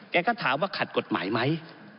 ก็ถามว่าขัดกฎหมายไหม